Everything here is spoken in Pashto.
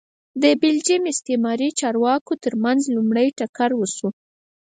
د بلجیم استعماري چارواکو ترمنځ لومړی ټکر وشو